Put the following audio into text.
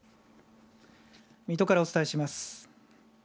水戸からお伝えします。